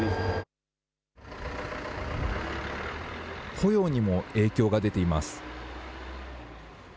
雇用にも影響が出ています。